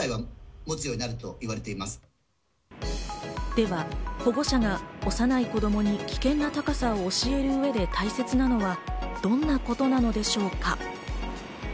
では、保護者が幼い子供に危険な高さを教える上で大切なのはどんなことなのでしょうか？